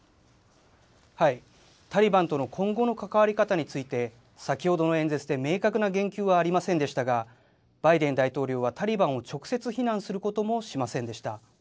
タリバンとの今後の関わり方について、先ほどの演説で、明確な言及はありませんでしたが、バイデン大統領はタリバンを直接非難することもしませんでした。